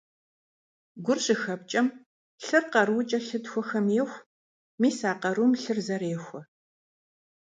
Гур щыхэпкӀэм, лъыр къарукӀэ лъынтхуэхэм еху, мис а къарум лъыр зэрехуэ.